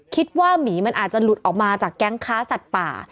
หมีมันอาจจะหลุดออกมาจากแก๊งค้าสัตว์ป่า